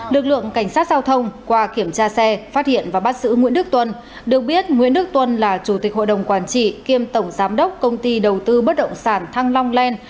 lực lượng cảnh sát giao thông qua kiểm tra xe phát hiện và bắt giữ nguyễn đức tuân được biết nguyễn đức tuân là chủ tịch hội đồng quản trị kiêm tổng giám đốc công ty đầu tư bất động sản thăng long len